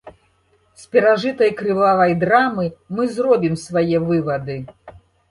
З перажытай крывавай драмы мы зробім свае вывады.